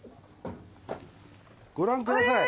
「ご覧ください」